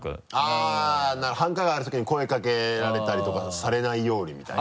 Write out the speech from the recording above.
あぁなるほど繁華街歩くときに声かけられたりとかされないようにみたいな。